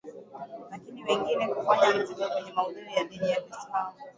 Lakini wengine kufanya mziki wenye maudhui ya dini ya kiislamu